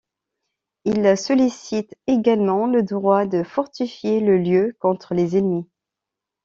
Il sollicite également le droit de fortifier le lieu contre les ennemis.